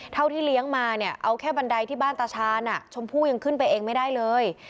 เท่าที่เลี้ยงมาเอาแค่บันไดที่บ้านตาชานสมภูยังขึ้นไปเองไม่ได้เลย